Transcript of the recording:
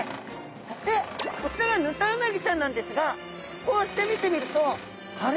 そしてこちらがヌタウナギちゃんなんですがこうして見てみるとあれ？